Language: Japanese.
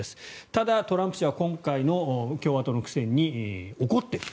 ただトランプ氏は今回の共和党の苦戦に怒っている。